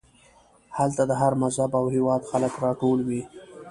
هلته د هر مذهب او هېواد خلک راټول وي.